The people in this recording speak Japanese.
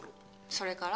それから？